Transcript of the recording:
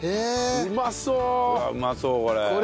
うまそうこれ。